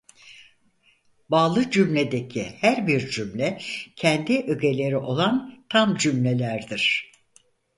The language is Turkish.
Bağlı cümledeki her bir cümle kendi öğeleri olan tam cümlelerdir.